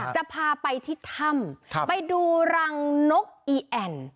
จะพาไปที่ถ้ำไปดูรังนกอีแอ่น